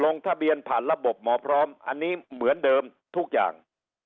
ลงทะเบียนผ่านระบบหมอพร้อมอันนี้เหมือนเดิมทุกอย่าง